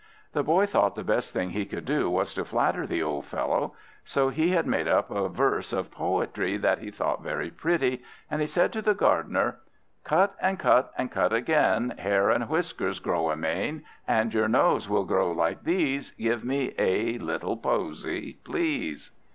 The boy thought the best thing he could do was to flatter the old fellow, so he had made up a verse of poetry that he thought very pretty, and so he said to the Gardener: "Cut, and cut, and cut again, Hair and whiskers grow amain: And your nose will grow like these: Give me a little posy, please!"